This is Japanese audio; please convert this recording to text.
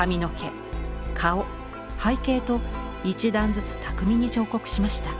顔背景と一段ずつ巧みに彫刻しました。